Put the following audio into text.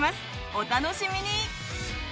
お楽しみに！